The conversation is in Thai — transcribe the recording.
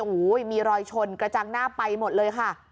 โอ้โหมีรอยชนกระจังหน้าไปหมดเลยค่ะ